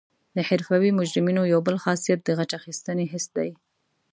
د حرفوي مجرمینو یو بل خاصیت د غچ اخیستنې حس دی